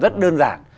rất đơn giản